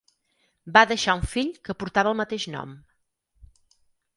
Va deixar un fill que portava el mateix nom.